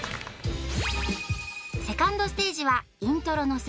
セカンドステージはイントロ乗せ